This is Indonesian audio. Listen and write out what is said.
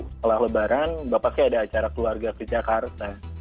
setelah lebaran bapak saya ada acara keluarga ke jakarta